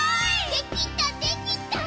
「できたできた」